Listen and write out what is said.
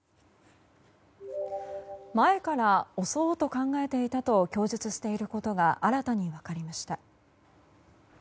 前から襲おうと考えていたと供述していることが新たに分かりました。